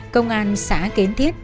công an xã kiến thiết